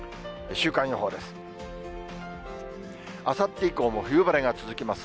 週間予報です。